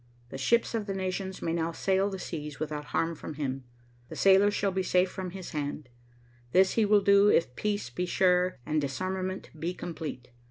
The ships of the nations may now sail the seas without harm from him. The sailors shall be safe from his hand. This will he do, if peace be sure and disarmament be complete.